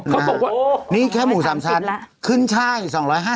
เขาบอกว่านี่แค่หมูสามชั้นขึ้นไช่๒๕๐ละ